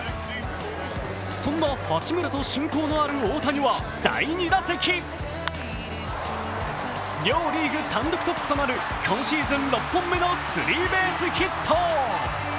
そんな八村と親交のある大谷は第２打席、両リーグ単独トップとなる今シーズン６本目のスリーベースヒット。